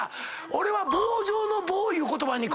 俺は「棒状の棒」いう言葉に。